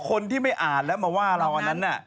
คนที่ไม่อ่านแล้วมาว่าเราอันนั้นน่ะ